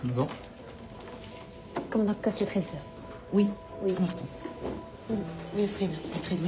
はい。